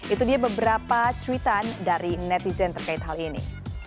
itu dia beberapa cuitan dari netizen terkait hal ini